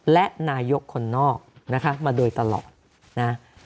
และนายกคนนอกนะคะมาโดยตลอดนะ